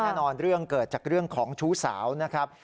แน่นอนเรื่องเกิดจากการชู้สาวนะครับ